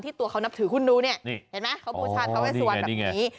ตัวเขานับถือคุณดูเนี่ยเห็นไหมเขาบูชาทาเวสวันแบบนี้